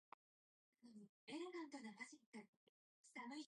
Many people have speculated about the cover's intended meaning.